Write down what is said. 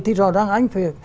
thì rõ ràng anh phải